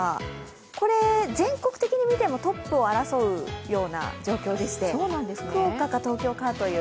これ、全国的に見てもトップを争うような状況でして、福岡か東京かという。